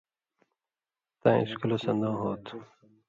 ناں اِسکُلہ سن٘دؤں ہوتُھو